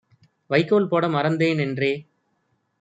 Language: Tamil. வைக்கோல் போட மறந்தே னென்றே